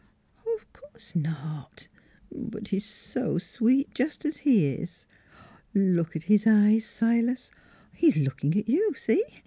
"" Of course not! but he's so sweet just as he is. ... Look at his eyes, Silas! He's looking at you, see